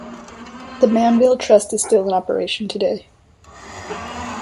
The Manville Trust is still in operation today.